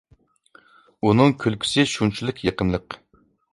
ئۇنىڭ كۈلكىسى شۇنچىلىك يېقىملىق.